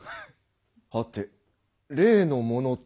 はて例のものとは？